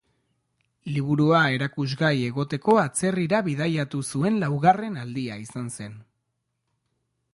Liburua erakusgai egoteko atzerrira bidaiatu zuen laugarren aldia izan zen.